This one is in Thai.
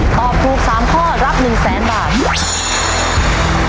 ตอบถูก๓ข้อรับ๑๐๐๐๐๐๐บาท